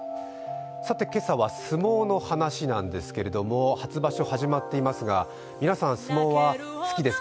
今朝は相撲の話なんですけれども、初場所、始まっていますが皆さん相撲は好きですか？